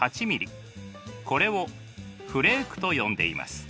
これをフレークと呼んでいます。